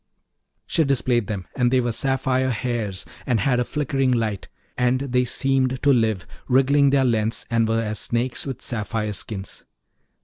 She displayed them, and they were sapphire hairs, and had a flickering light; and they seemed to live, wriggling their lengths, and were as snakes with sapphire skins.